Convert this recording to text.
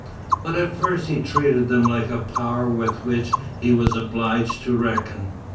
But at first he treated them like a power with which he was obliged to reckon.